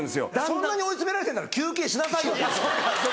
そんなに追い詰められてるなら休憩しなさいよ。